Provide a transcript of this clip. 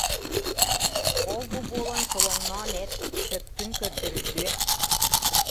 Ол-бу буолан чолоҥноон эр, сөпкүн көрдөрүллүө